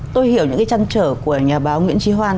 tôi hiểu những cái trăn trở của nhà báo nguyễn trí hoan